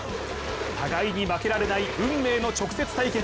互いに負けられない運命の直接対決。